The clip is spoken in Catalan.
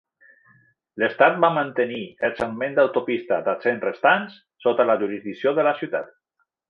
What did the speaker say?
L'estat va mantenir els segments d'autopista d'accés restants sota la jurisdicció de la ciutat.